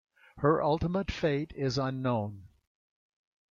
Her ultimate fate is unknown.